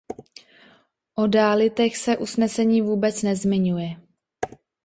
O Dálítech se usnesení vůbec nezmiňuje.